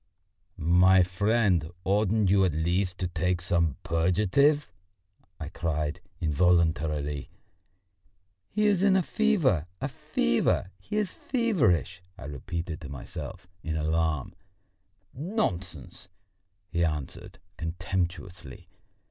"My friend, oughtn't you at least to take some purgative?" I cried involuntarily. "He is in a fever, a fever, he is feverish!" I repeated to myself in alarm. "Nonsense!" he answered contemptuously.